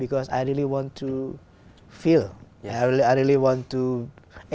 có những vấn đề